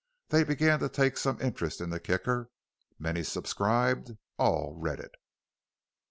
They began to take some interest in the Kicker. Many subscribed; all read it.